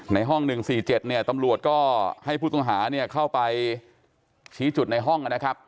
ในห้องหนึ่งสี่เจ็ดเนี้ยตำลวดก็ให้ผู้ต้องหาเนี้ยเข้าไปชี้จุดในห้องกันนะครับ